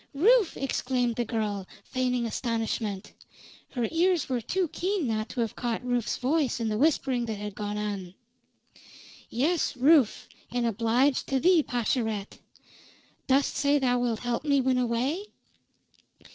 "Rufe!" exclaimed the girl, feigning astonishment. Her ears were too keen not to have caught Rufe's voice in the whispering that had gone on. "Yes, Rufe, and obliged to thee, Pascherette. Dost say thou wilt help me win away?"